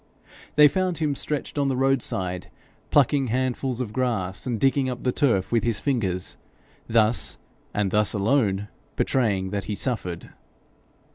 They found him stretched on the roadside, plucking handfuls of grass, and digging up the turf with his fingers, thus, and thus alone, betraying that he suffered.